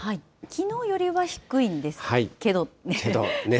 きのうよりは低いんですけどね。